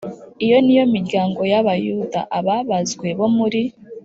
Iyo ni yo miryango y Abayuda Ababazwe bo muri